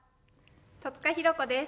戸塚寛子です。